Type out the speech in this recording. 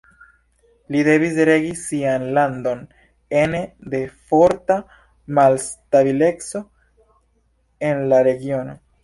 Li devis regi sian landon ene de forta malstabileco en la regiono.